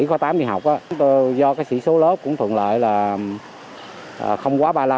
khối bảy tám đi học á do cái sỉ số lớp cũng thuận lợi là không quá ba mươi năm